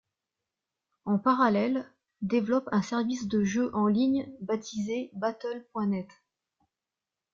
En parallèle, développe un service de jeu en ligne baptisé Battle.net.